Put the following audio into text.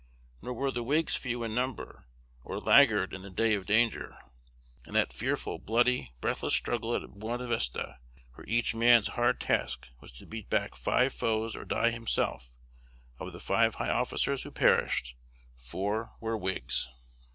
Nor were the Whigs few in number, or laggard in the day of danger. In that fearful, bloody, breathless struggle at Buena Vista, where each man's hard task was to beat back five foes or die himself, of the five high officers who perished, four were Whigs.